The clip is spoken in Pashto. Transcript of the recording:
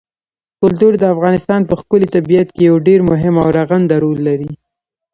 کلتور د افغانستان په ښکلي طبیعت کې یو ډېر مهم او رغنده رول لري.